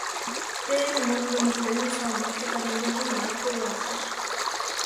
Теве мондымыж дене салмасе пареҥгыжымат когартыш.